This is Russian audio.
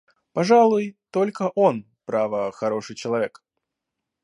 Пожалуй; только он, право, хороший человек.